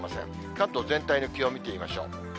関東全体の気温を見てみましょう。